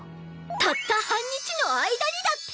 たった半日の間にだって！